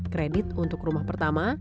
kredit untuk rumah pertama